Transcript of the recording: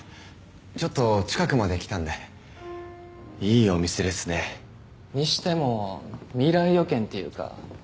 ちょっと近くまで来たんでいいお店ですねにしても未来予見っていうか